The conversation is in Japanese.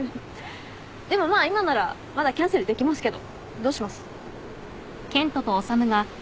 でもまあ今ならまだキャンセルできますけどどうします？